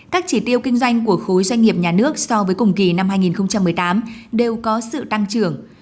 các chỉ tiêu kinh doanh của khối doanh nghiệp nhà nước so với cùng kỳ năm hai nghìn một mươi tám đều có sự tăng trưởng